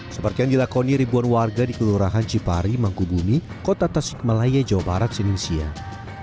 seperti yang dilakoni ribuan warga di kelurahan cipari mangkubumi kota tasik malaya jawa barat senin siang